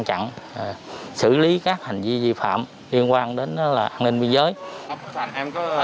cần psybeienne cũng phải truyền hoang lành